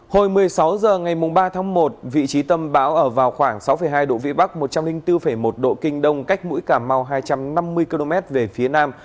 hồi một mươi sáu h ngày ba tháng một vị trí tâm bão ở vào khoảng sáu hai độ vĩ bắc một trăm linh bốn một độ kinh đông cách mũi cà mau hai trăm năm mươi km về phía nam